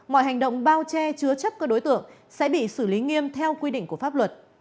mọi hành động bao che chứa chấp các đối tượng sẽ bị xử lý nghiêm theo quy định của pháp luật